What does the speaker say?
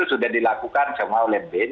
sudah dilakukan semua oleh bin